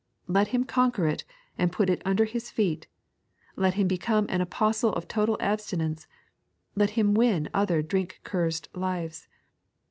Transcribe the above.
Let him conquer it, and put it under his feet; let him become an apostle of total absti nence; let bim win other drink cursed lives.